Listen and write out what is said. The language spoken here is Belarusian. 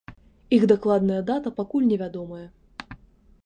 Іх дакладная дата пакуль невядомая.